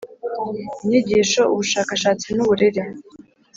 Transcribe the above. Inyigisho ubushakashatsi n uburere